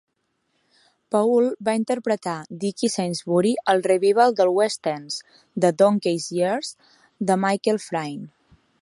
Paul va interpretar Dickie Sainsbury al revival al West End de "Donkeys' Years" de Michael Frayn.